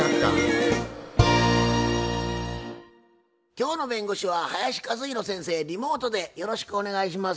今日の弁護士は林一弘先生リモートでよろしくお願いします。